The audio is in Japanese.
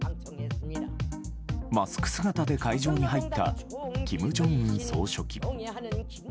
マスク姿で会場に入った金正恩総書記。